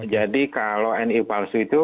jadi kalau nii palsu itu